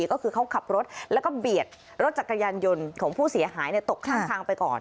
ก็คือเขาขับรถแล้วก็เบียดรถจักรยานยนต์ของผู้เสียหายตกข้างทางไปก่อน